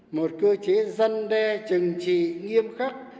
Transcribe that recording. một cơ chế giăn đe chừng trì nghiêm khắc